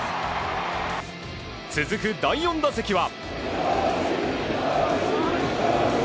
続く第４打席は。